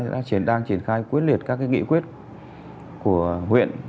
đang triển khai quyết liệt các nghị quyết của huyện